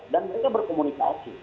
dan mereka berkomunikasi